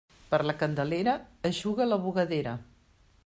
Per la Candelera, eixuga la bugadera.